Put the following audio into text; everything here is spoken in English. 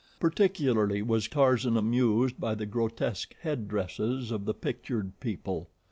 Particularly was Tarzan amused by the grotesque headdresses of the pictured people.